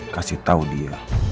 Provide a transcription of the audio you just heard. kasih tau dia